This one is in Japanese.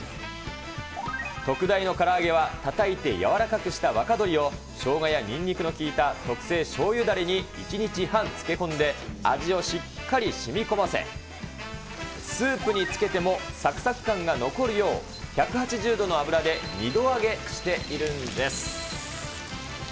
特大のから揚げはたたいて柔らかくした若鳥をショウガやニンニクの効いた特製しょうゆダレに１日半漬け込んで、味をしっかりしみこませ、スープにつけてもさくさく感が残るよう、１８０度の油で２度揚げしているんです。